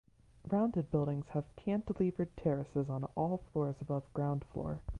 Rounded buildings have Cantilevered terraces on all floors above ground floor.